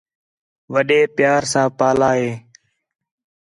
وَݙّے پیار ساں پالا ہِے